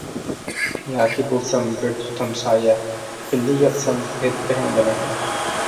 ياكى بولسام بىر تۇتام سايە، بىللە ياتسام ھىدلىرىڭ بىلەن.